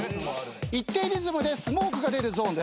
一定リズムでスモークが出るゾーンです。